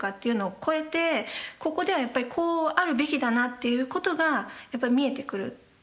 ここではやっぱりこうあるべきだなということがやっぱり見えてくる。